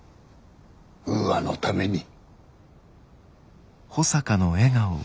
ウーアのために。